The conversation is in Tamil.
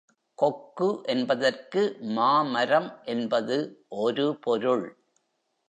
கொக்கு என்பதற்கு மாமரம் என்பது ஒரு பொருள்.